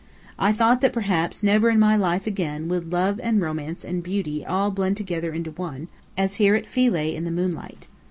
I thought that perhaps never in my life again would love and romance and beauty all blend together in one, as here at Philae in the moonlight.